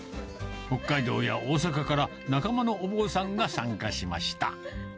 北海道や大阪から仲間のお坊さんが参加しました。